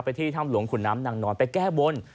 ที่ถ้ำหลวงขุนน้ำนางนอนไปแก้บน